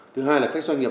thứ hai là các doanh nghiệp